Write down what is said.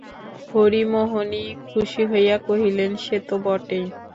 হরিমোহিনী খুশি হইয়া কহিলেন, সে তো বটেই।